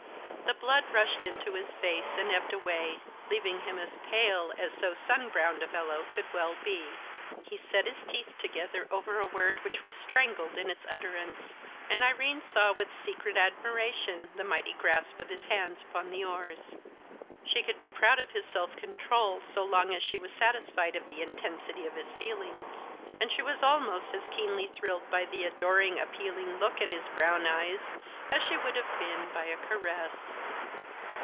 The blood rushed into his face and ebbed away, leaving him as pale as so sun browned a fellow could well be. He set his teeth together over a word which was strangled in its utterance, and Irene saw with secret admiration the mighty grasp of his hands upon the oars. She could be proud of his self control so long as she was satisfied of the intensity of his feelings, and she was almost as keenly thrilled by the adoring, appealing look in his brown eyes as she would have been by a caress.